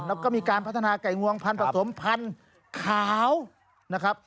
แล้วก็มีการพัฒนาไก่งวงพันธุ์ผสมพันธุ์ขาวนะครับ